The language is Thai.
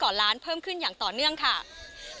จำนวนนักท่องเที่ยวที่เดินทางมาพักผ่อนเพิ่มขึ้นในปีนี้